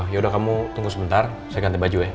yaudah kamu tunggu sebentar saya ganti baju ya